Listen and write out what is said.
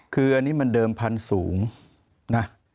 คืออันนี้มันเดิมพันธุ์สูงนะ